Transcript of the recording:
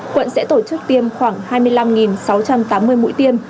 quận sẽ tổ chức tiêm khoảng hai mươi năm sáu trăm tám mươi mũi tiêm